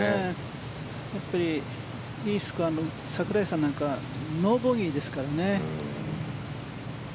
やっぱりいいスコア櫻井さんなんかはノーボギーですからね。